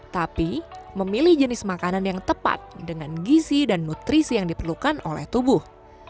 tapi memilih jenis makanan yang tepat dengan gizi dan nutrisi yang diperlukan oleh tubuh